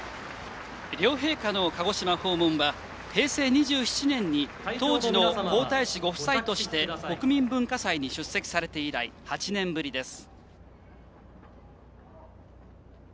両陛下の鹿児島訪問は平成２７年に当時の皇太子ご夫妻として国民文化祭に出席されて以来８年ぶりです。